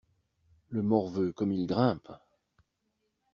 Le morveux, comme il grimpe!